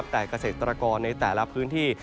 แต่เกษตรกรในแต่ละพื้นที่